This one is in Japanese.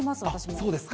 そうですか。